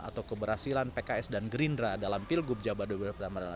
atau keberhasilan pks dan gerindra dalam pilgub jabar beberapa